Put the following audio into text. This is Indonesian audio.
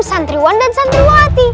santriwan dan santriwati